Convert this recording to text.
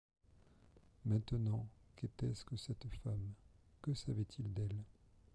Maintenant, qu’était-ce que cette femme? que savait-il d’elle ?